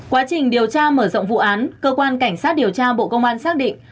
quá trình điều tra mở rộng vụ án cơ quan cảnh sát điều tra bộ công an xác định